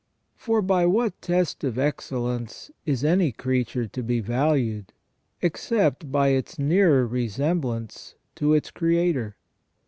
For by what test of ex cellence is any creature to be valued, except by its nearer resem blance to its Creator